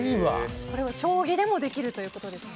将棋でもできるということですね。